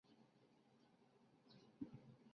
干道九年正月过世。